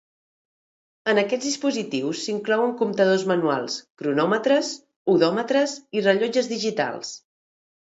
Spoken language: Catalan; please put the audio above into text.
Entre aquests dispositius s'inclouen comptadors manuals, cronòmetres, hodòmetres i rellotges digitals.